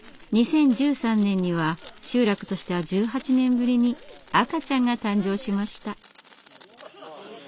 ２０１３年には集落としては１８年ぶりに赤ちゃんが誕生しました。